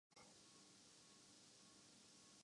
وہ ختم کیا جائے۔